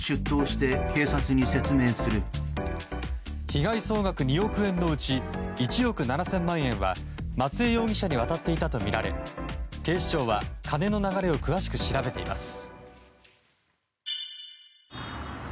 被害総額２億円のうち１億７０００万円は松江容疑者に渡っていたとみられ警視庁は金の流れを詳しく調べています。